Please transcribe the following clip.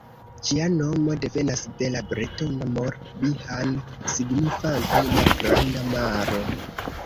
Ĝia nomo devenas de la bretona Mor-Bihan signifante Malgranda Maro.